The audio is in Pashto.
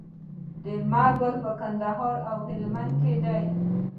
لمر ګل په کندهار او هلمند کې دی.